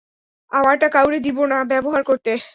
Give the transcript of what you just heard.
আমারটা কাউরে দিবো না, ব্যাবহার করতে।